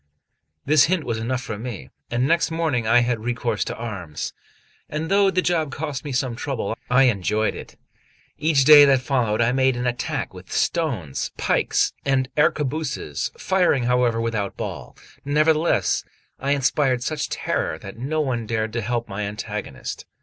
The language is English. This hint was enough for me, and next morning I had recourse to arms; and though the job cost me some trouble, I enjoyed it. Each day that followed, I made an attack with stones, pikes and arquebuses, firing, however, without ball; nevertheless, I inspired such terror that no one dared to help my antagonist.